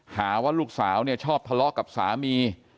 หาว่าลูกสาวเนี่ยชอบทะเลาะกับสามี